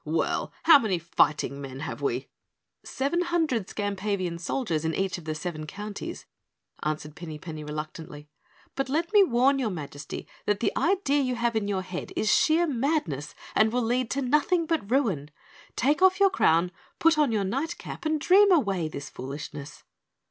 "Well, how many fighting men have we?" "Seven hundred Skampavian soldiers in each of the seven counties," answered Pinny Penny reluctantly, "but let me warn your Majesty that the idea you have in your head is sheer madness and will lead to nothing but ruin. Take off your crown, put on your night cap and dream away this foolishness."